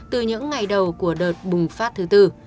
từ những ngày đầu của đợt bùng phát thứ tư